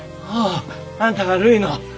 あああんたがるいの。